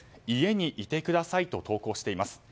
家にいてくださいと投稿しています。